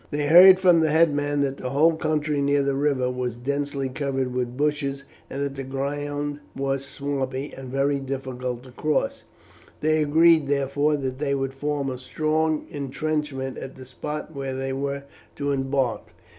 They heard from the headman that the whole country near the river was densely covered with bushes, and that the ground was swampy and very difficult to cross. They agreed, therefore, that they would form a strong intrenchment at the spot where they were to embark.